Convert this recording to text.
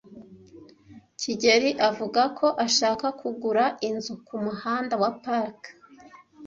kigeli avuga ko ashaka kugura inzu ku Muhanda wa Park.